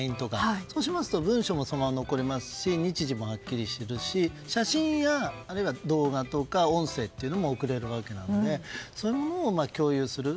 そうしますと文章もそのまま残りますし日時もはっきりするし写真や動画、音声も送れるわけなのでそういうものを共有する。